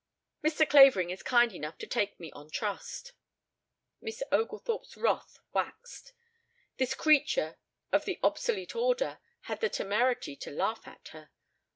Mr. Clavering is kind enough to take me on trust." Miss Oglethorpe's wrath waxed. This creature of an obsolete order had the temerity to laugh at her.